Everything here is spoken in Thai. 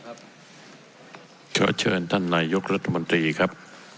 สวัสดีครับขอเชิญท่านหน่ายุครัฐมนตรีครับ